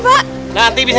pak bukan dia pak